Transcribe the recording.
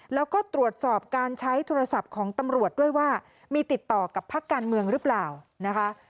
แล้วก็ตรวจสอบการใช้โทรศัพท์ของตำรวจด้วยว่ามีติดต่อกับพักการเมืองหรือเปล่านะคะ